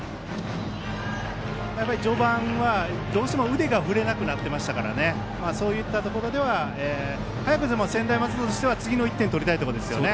序盤はどうしても腕が振れなくなりましたからそういったところでは専大松戸としては、早く次の１点を取りたいところですね。